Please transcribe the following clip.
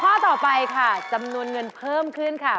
ข้อต่อไปค่ะจำนวนเงินเพิ่มขึ้นค่ะ